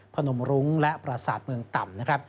พนมรุงและประสาทเมืองต่ำ